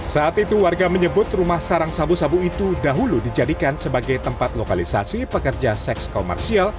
saat itu warga menyebut rumah sarang sabu sabu itu dahulu dijadikan sebagai tempat lokalisasi pekerja seks komersial